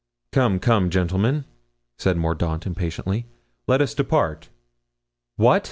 "Come, come, gentlemen," said Mordaunt, impatiently, "let us depart." "What!"